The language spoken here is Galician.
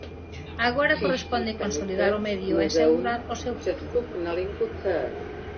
Agora corresponde cosolidar o medio e asegurar o seu futuro.